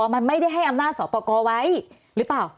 มันไม่ได้ให้อำนาจสอบประกอบไว้หรือเปล่า